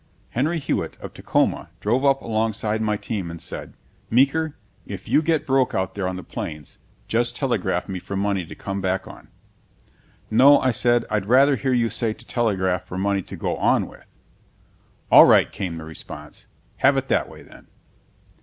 Henry Hewitt, of Tacoma, drove up alongside my team and said, "Meeker, if you get broke out there on the Plains, just telegraph me for money to come back on." "No," I said, "I'd rather hear you say to telegraph for money to go on with." "All right," came the response, "have it that way, then."